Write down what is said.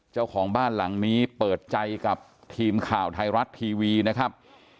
เจ้าของบ้านหลังนี้เปิดใจกับทีมข่าวไทยรัฐทีวีนะครับ